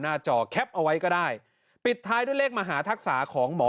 จอแคปเอาไว้ก็ได้ปิดท้ายด้วยเลขมหาทักษะของหมอ